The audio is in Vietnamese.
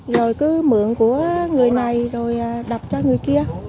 rồi cứ mượn của người này rồi đặt cho người kia